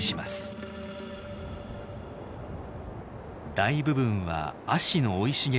大部分は葦の生い茂る